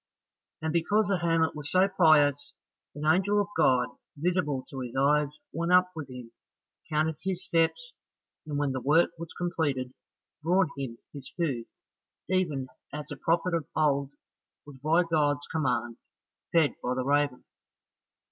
And because the hermit was so pious, an angel of God, visible to his eyes, went up with him, counted his steps, and when the work was completed, brought him his food, even as the prophet of old was by God's command fed by the raven.